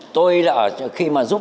tôi là khi mà giúp